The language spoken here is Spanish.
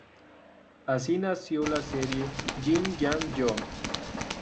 Así nació la serie "Yin Yang Yo!".